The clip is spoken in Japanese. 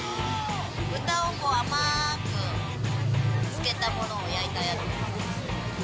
豚を甘く漬けたものを焼いたやつ。